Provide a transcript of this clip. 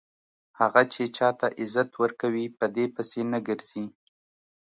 هغه چې چاته عزت ورکوي په دې پسې نه ګرځي.